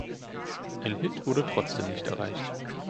Ein Hit wurde trotzdem nicht erreicht.